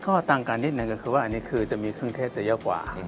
ก็ตั้งการนิดหนึ่งก็คือว่าอันนี้คือจะมีเครื่องเทศจะเยอะกว่า